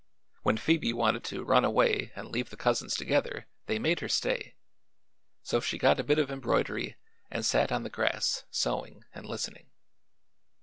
When Phoebe wanted to run away and leave the cousins together they made her stay; so she got a bit of embroidery and sat on the grass sewing and listening.